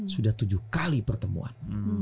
sudah tujuh kali pertemuan